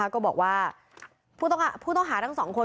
ก็บอกว่าผู้ต้องหาทั้งสองคน